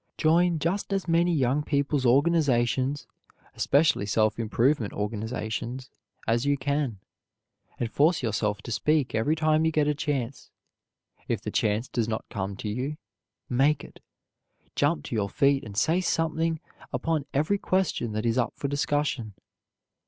Join just as many young people's organizations especially self improvement organizations as you can, and force yourself to speak every time you get a chance. If the chance does not come to you, make it. Jump to your feet and say something upon every question that is up for discussion.